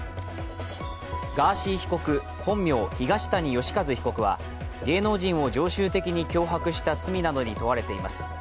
ガーシー被告、本名・東谷義和被告は芸能人を常習的に脅迫した罪などに問われています。